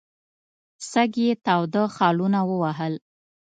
سږ یې تاوده خالونه ووهل.